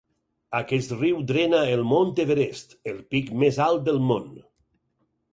Aquest riu drena el Mont Everest el pic més alt del món.